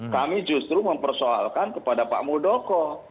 kami justru mempersoalkan kepada pak muldoko